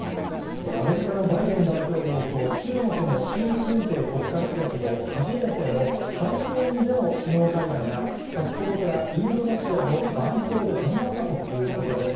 アメリカのバイデン大統領と中国の習近平国家主席の初めての対面での首脳会談が、先ほどからインドネシアのバリ島で始まったということです。